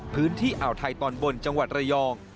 พื้นที่อ่าวไทยตอนบนจังหวัดระยอง